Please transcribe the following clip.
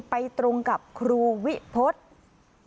ไปตรงกับครูวิพฤทธิ์